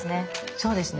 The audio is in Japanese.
そうですね。